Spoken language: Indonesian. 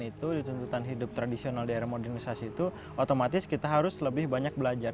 itu di tuntutan hidup tradisional di era modernisasi itu otomatis kita harus lebih banyak belajar